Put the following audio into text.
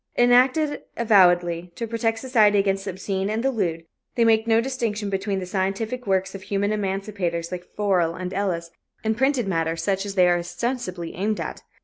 Enacted, avowedly, to protect society against the obscene and the lewd, they make no distinction between the scientific works of human emancipators like Forel and Ellis and printed matter such as they are ostensibly aimed at.